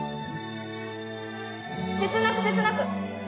切なく切なく。